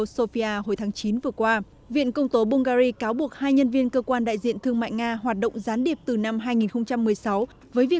xin chào và hẹn gặp lại